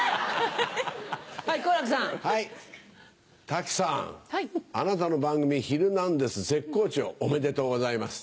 滝さんあなたの番組『ヒルナンデス！』絶好調おめでとうございます。